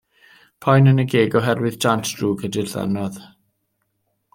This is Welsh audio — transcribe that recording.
Poen yn y geg oherwydd dant drwg ydy'r ddannodd.